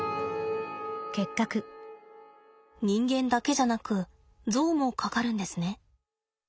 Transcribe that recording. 人間だけじゃなくゾウもかかるんですね。